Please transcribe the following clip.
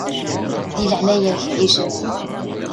Di leɛnaya-k ɛijel!